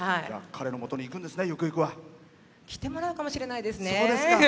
彼のもとに行くんですねゆくゆくは。来てもらうかもしれないですね。